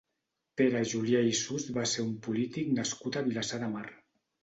Pere Julià i Sust va ser un polític nascut a Vilassar de Mar.